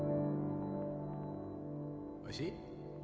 おいしい？